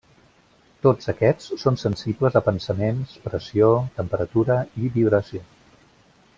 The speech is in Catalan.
Tots aquests són sensibles a pensaments, pressió, temperatura i vibració.